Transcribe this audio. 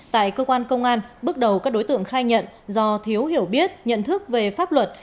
tại cơ quan công an bước đầu các đối tượng khai nhận do thiếu hiểu biết nhận thức về pháp luật